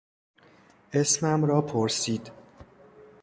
اسمم را پرسید.